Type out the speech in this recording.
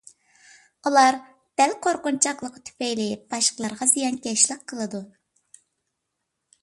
ئۇلار دەل قورقۇنچاقلىقى تۈپەيلى باشقىلارغا زىيانكەشلىك قىلىدۇ.